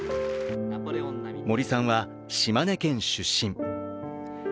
森さんは島根県出身。